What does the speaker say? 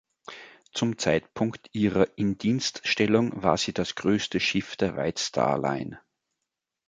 Zum Zeitpunkt ihrer Indienststellung war sie das größte Schiff der White Star Line.